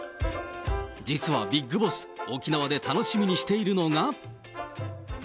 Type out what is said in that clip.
実はビッグボス、沖縄で楽しみにしているのが。